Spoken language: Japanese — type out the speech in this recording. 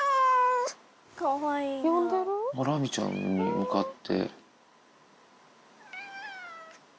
ラミちゃんに向かって。